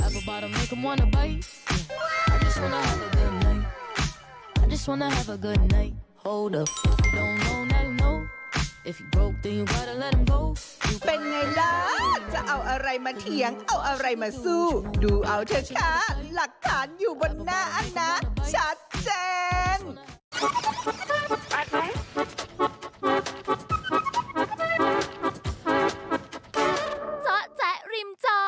โปรดติดตามตอนต่อไป